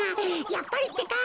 やっぱりってか。